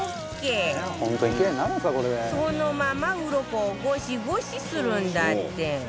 そのままウロコをゴシゴシするんだって